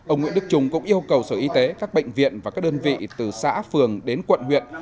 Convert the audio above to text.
ông nguyễn đức trung cũng yêu cầu sở y tế các bệnh viện và các đơn vị từ xã phường đến quận huyện